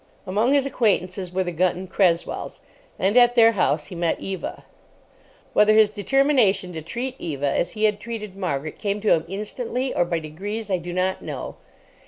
Among his acquaintances were the Gunton Cresswells, and at their house he met Eva. Whether his determination to treat Eva as he had treated Margaret came to him instantly, or by degrees I do not know.